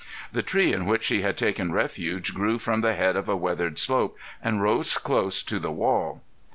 The tree in which she had taken refuge grew from the head of a weathered slope and rose close to the wall.